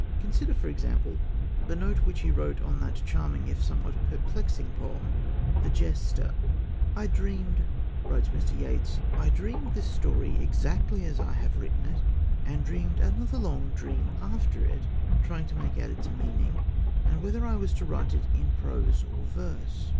Consider, for example, the note which he wrote on that charming if somewhat perplexing poem, The Jester. "I dreamed," writes Mr. Yeats: I dreamed this story exactly as I have written it, and dreamed another long dream after it, trying to make out its meaning, and whether I was to write it in prose or verse.